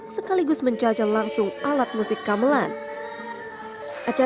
sekaligus menjajal langsung alat musiknya